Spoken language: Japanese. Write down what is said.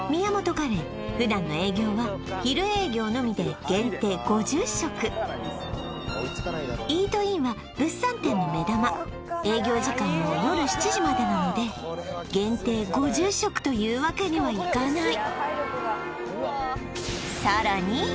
カレー普段の営業は昼営業のみで限定５０食イートインは物産展の目玉営業時間も夜７時までなので限定５０食というわけにはいかない